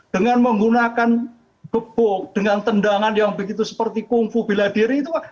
dengan menggunakan gebok dengan tendangan yang begitu seperti kungfu bela diri itu